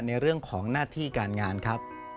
ในเรื่องของหน้าที่การงานครับ